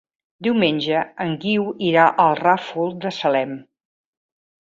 Diumenge en Guiu irà al Ràfol de Salem.